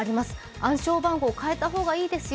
暗証番号を変えた方がいいですよ